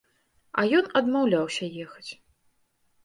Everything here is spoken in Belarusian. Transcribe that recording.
А ён адмаўляўся ехаць.